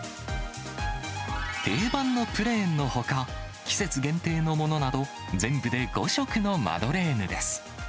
定番のプレーンのほか、季節限定のものなど、全部で５色のマドレーヌです。